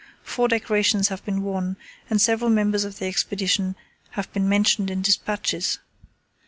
Four decorations have been won, and several members of the Expedition have been mentioned in dispatches.